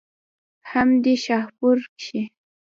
هم دې شاهپور کښې